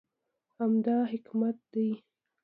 همدا حکمت دی.